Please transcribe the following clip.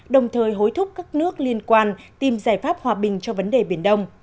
đồng thời hối thúc các nước liên quan tìm giải pháp hòa bình cho vấn đề biển đông